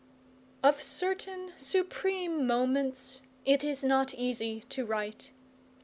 Of certain supreme moments it is not easy to write.